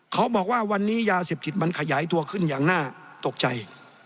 เขาบอกว่าวันนี้ยาเสพติดมันขยายตัวขึ้นอย่างน่าตกใจ